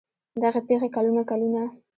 دغې پېښې کلونه کلونه